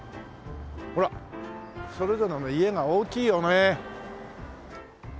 ほらそれぞれの家が大きいよね。